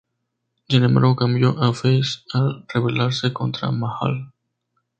Sin embargo, cambió a "face" al revelarse contra Mahal.